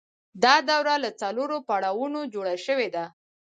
دا دوره له څلورو پړاوونو جوړه شوې ده